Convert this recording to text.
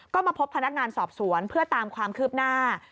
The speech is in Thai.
ก็มาพบพนักงานสอบสวนเพื่อตามความคืบหน้า